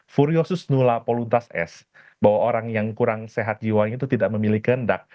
furiosus nulla pollutas es bahwa orang yang kurang sehat jiwanya itu tidak memiliki hendak